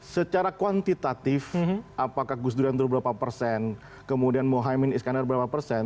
secara kuantitatif apakah gusdur yang berapa persen kemudian mohaimin iskandar berapa persen